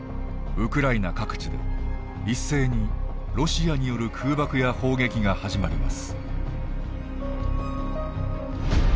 ウクライナ各地で一斉にロシアによる空爆や砲撃が始まります。